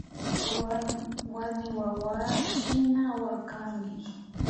Warmiwawa shina wakanki